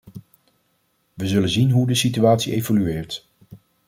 Wij zullen zien hoe de situatie evolueert.